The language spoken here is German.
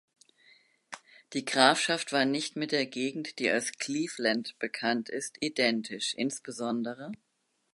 Die Grafschaft war nicht mit der Gegend, die als Cleveland bekannt ist, identisch, insb.